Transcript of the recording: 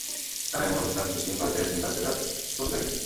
তার এমন অবস্থা সৃষ্টি হয় যে, তিনি দাঁতে দাঁত ঘষতে থাকেন।